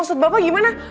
maksud bapak gimana